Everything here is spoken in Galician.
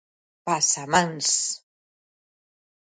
Pasamáns.